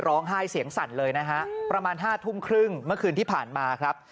ร้องไห้เสียงสั่นเลยนะฮะประมาณ๕ทุ่มครึ่งเมื่อคืนที่ผ่านมาครับ